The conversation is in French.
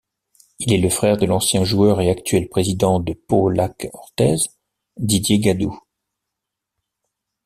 Il est le frère de l'ancien joueur et actuel président de Pau-Lacq-Orthez Didier Gadou.